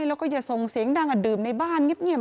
ใช่แล้วก็อย่าทรงเสียงดังอย่ากัดดื่มในบ้านเงียบ